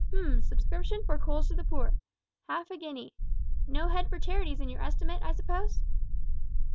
H'm, subscription for coals to the poor. Half a guinea no head for charities in your estimate, I suppose?"